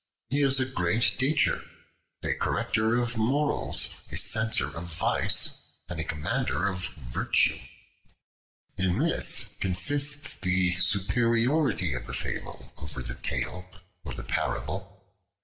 He is a great teacher, a corrector of morals, a censor of vice, and a commender of virtue. In this consists the superiority of the Fable over the Tale or the Parable.